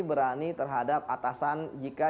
berani terhadap atasan jika